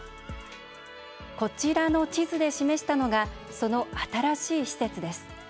こちらの地図で示したのがその新しい施設です。